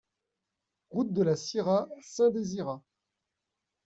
Route de la Syrah, Saint-Désirat